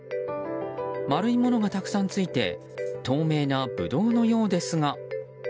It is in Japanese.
丸いものがたくさんついて透明なブドウのようですが。